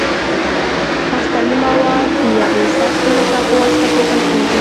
هستوي مواد د یوې سختې غشا په واسطه پوښل کیږي.